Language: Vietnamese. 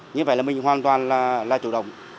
như vậy là mình hoàn toàn là chủ động